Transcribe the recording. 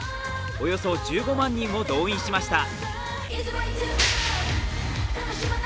およそ１５万人を動員しました。